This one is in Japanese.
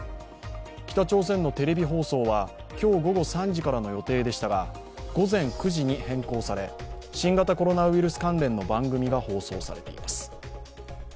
北朝鮮のテレビ放送は今日午後３時からの予定でしたが午前９時に変更され、新型コロナウイルス関連の番組が放送されています。